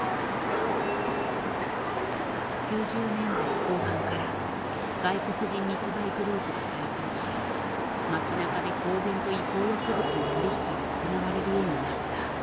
９０年代後半から外国人密売グループが台頭し町なかで公然と違法薬物の取り引きが行われるようになった。